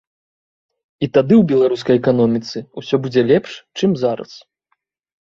І тады ў беларускай эканоміцы ўсё будзе лепш, чым зараз.